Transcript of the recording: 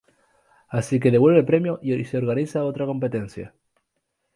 Así que devuelve el premio y se organiza otra competencia.